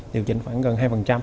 điều chỉnh khoảng gần hai